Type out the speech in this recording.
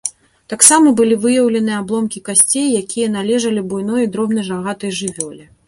Таксама былі выяўленыя абломкі касцей, якія належалі буйной і дробнай рагатай жывёле.